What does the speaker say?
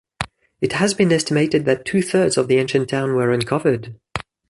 It has been estimated that two thirds of the ancient town were uncovered.